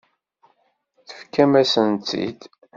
Tefkam-asen-tt-id.